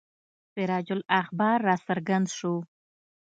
سراج الاخبار را څرګند شو.